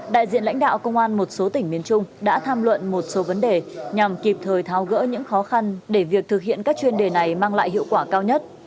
đại diện lãnh đạo công an một số tỉnh miền trung đã tham luận một số vấn đề nhằm kịp thời tháo gỡ những khó khăn để việc thực hiện các chuyên đề này mang lại hiệu quả cao nhất